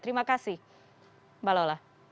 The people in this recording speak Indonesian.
terima kasih mbak lola